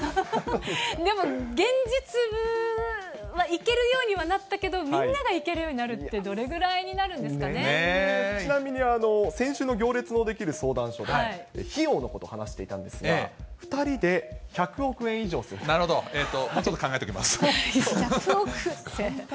でも、現実は行けるようにはなったけど、みんなが行けるようになるってどちなみに、先週の行列のできる相談所で、費用のこと話していたんですが、なるほど、えーと、